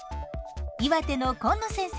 岩手の紺野先生